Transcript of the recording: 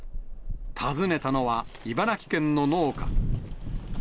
訪ねたのは、茨城県の農家。